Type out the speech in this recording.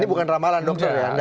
ini bukan ramalan dokter ya